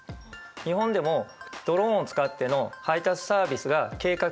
日本でもドローンを使っての配達サービスが計画されてると聞きます。